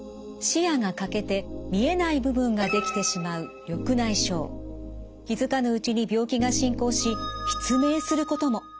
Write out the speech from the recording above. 視野が欠けて見えない部分が出来てしまう気付かぬうちに病気が進行し失明することも。